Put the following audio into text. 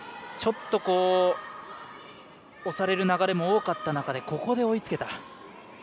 ちょっと、押される流れも多かった中でここで追いつけた。